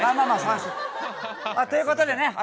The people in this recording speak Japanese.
ということでね後